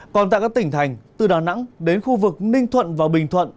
còn tại các tỉnh thành từ đà nẵng đến khu vực ninh thuận và bình thuận